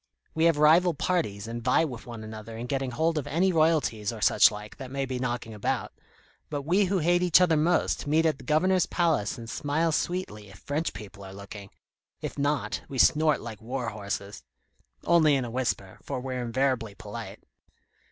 We have rival parties, and vie with one another in getting hold of any royalties or such like, that may be knocking about; but we who hate each other most, meet at the Governor's Palace and smile sweetly if French people are looking; if not, we snort like war horses only in a whisper, for we're invariably polite."